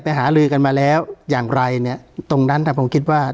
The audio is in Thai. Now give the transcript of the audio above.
หาลือกันมาแล้วอย่างไรเนี่ยตรงนั้นถ้าผมคิดว่า